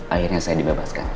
akhirnya saya dibebaskan